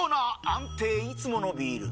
安定いつものビール！